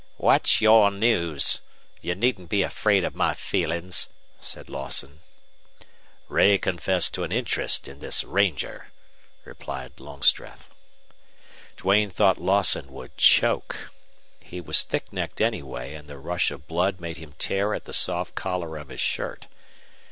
"What's your news? You needn't be afraid of my feelings," said Lawson. "Ray confessed to an interest in this ranger," replied Longstreth. Duane thought Lawson would choke. He was thick necked anyway, and the rush of blood made him tear at the soft collar of his shirt.